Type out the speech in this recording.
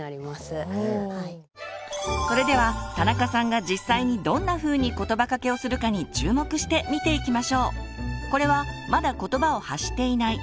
それでは田中さんが実際にどんなふうにことばかけをするかに注目して見ていきましょう。